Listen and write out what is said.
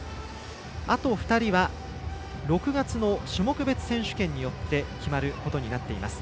あと２人は６月の種目別選手権によって決まることになっています。